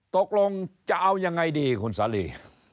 ตกลงจะเอายังไงดีคุณสาลี